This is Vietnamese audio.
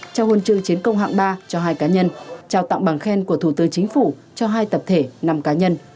trao huân chương chiến công hạng ba cho hai cá nhân trao tặng bằng khen của thủ tướng chính phủ cho hai tập thể năm cá nhân